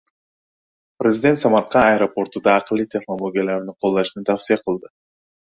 Prezident Samarqand aeroportida “aqlli texnologiyalar”ni qo‘llashni tavsiya qildi